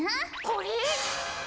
これ？